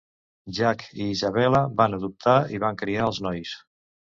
Jack i Isabella van "adoptar" i van criar els nois.